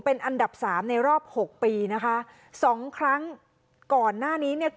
เป็นอันดับสามในรอบหกปีนะคะสองครั้งก่อนหน้านี้เนี่ย